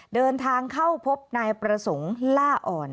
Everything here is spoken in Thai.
เดินทางเข้าพบนายประสงค์ล่าอ่อน